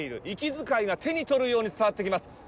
息遣いが手に取るように伝わってきます。